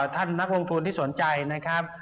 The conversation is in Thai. นักลงทุนที่สนใจนะครับ